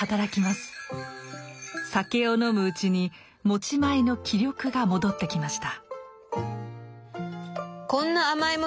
酒を飲むうちに持ち前の気力が戻ってきました。